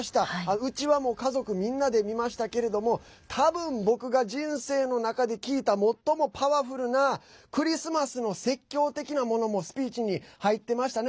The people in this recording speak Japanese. うちは家族みんなで見ましたけれども多分、僕が人生の中で聞いた最もパワフルなクリスマスの説教的なものもスピーチに入ってましたね。